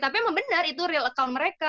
tapi memang benar itu real account mereka